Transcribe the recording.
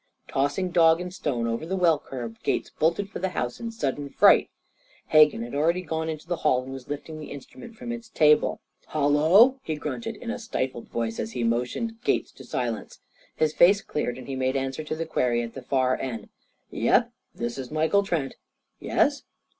Tossing dog and stone over the well curb, Gates bolted for the house in sudden fright. Hegan had already gone into the hall, and was lifting the instrument from its table. "Hallo!" he grunted in a stifled voice as he motioned Gates to silence. His face cleared, and he made answer to the query at the far end: "Yep, this is Michael Trent. Yes?